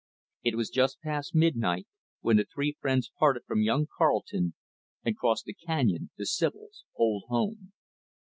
It was just past midnight when the three friends parted from young Carleton and crossed the canyon to Sibyl's old home.